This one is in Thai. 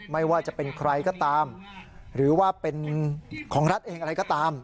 ไม่ว่าจะเป็นใครก็ตามหรือว่าเป็นของรัฐเองอะไรก็ตาม